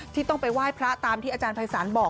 ที่ต้องไปไหว้พระตามที่อาจารย์ภัยศาลบอก